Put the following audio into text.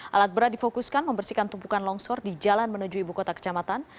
alat berat difokuskan membersihkan tumpukan longsor di jalan menuju ibu kota kecamatan